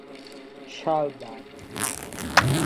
Schalburg.